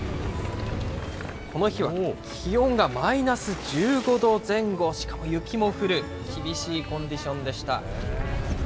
この日は気温がマイナス１５度前後、しかも雪も降る、厳しいコンディションでした。